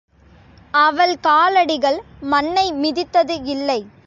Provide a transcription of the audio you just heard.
அவள் காலடிகள் மண்ணை மிதித்தது இல்லை.